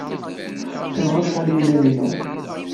Qqimeɣ acḥal i yiman-inu.